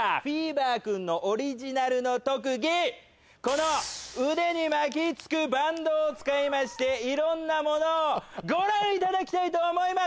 ばーくんのオリジナルの特技この腕に巻きつくバンドを使いましていろんなものをご覧いただきたいと思います